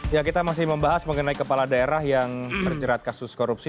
ya kita masih membahas mengenai kepala daerah yang terjerat kasus korupsi